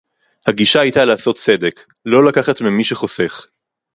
הגישה היתה לעשות צדק; לא לקחת ממי שחוסך